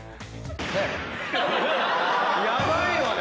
ヤバいよね！